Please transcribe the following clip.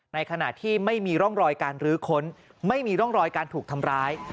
ในขณะที่ไม่มีร่องรอยการรื้อค้นไม่มีร่องรอยการถูกทำร้าย